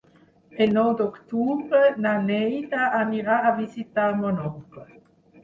El nou d'octubre na Neida anirà a visitar mon oncle.